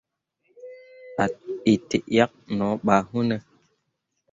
A itǝʼyakke no ɓa wune ?